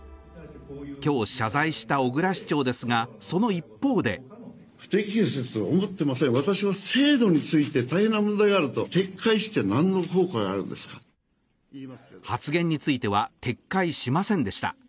今日、謝罪した小椋市長ですがその一方で発言については撤回しませんでした。